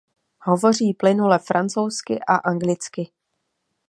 Hovoří plynule francouzsky a anglicky.